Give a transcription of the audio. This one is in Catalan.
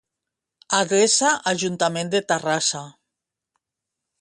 Adreça Ajuntament de Terrassa.